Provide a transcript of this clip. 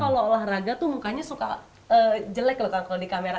kalau olahraga tuh mukanya suka jelek loh kalau di kamera